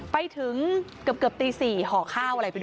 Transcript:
ไปถึงเกือบตี๔ห่อข้าวอะไรไปด้วย